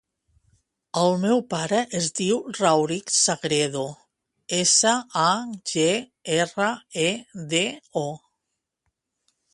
El meu pare es diu Rauric Sagredo: essa, a, ge, erra, e, de, o.